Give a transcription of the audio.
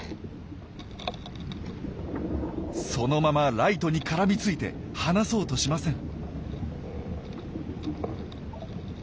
そのままライトに絡みついて離そうとしません。